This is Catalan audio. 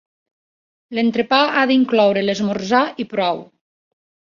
L'entrepà ha d'incloure l'esmorzar i prou.